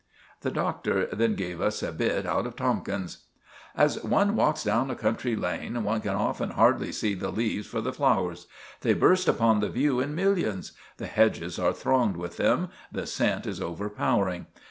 The Doctor then gave us a bit out of Tomkins— "'As one walks down a country lane, one can often hardly see the leaves for the flowers. They burst upon the view in millions. The hedges are thronged with them; the scent is overpowering.